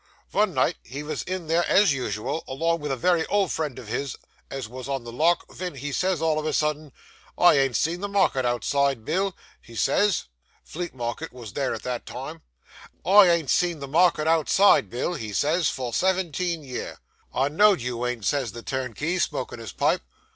Vun night he wos in there as usual, along vith a wery old friend of his, as wos on the lock, ven he says all of a sudden, "I ain't seen the market outside, Bill," he says (Fleet Market wos there at that time) "I ain't seen the market outside, Bill," he says, "for seventeen year." "I know you ain't," says the turnkey, smoking his pipe.